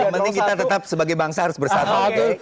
mesti kita tetap sebagai bangsa harus bersatu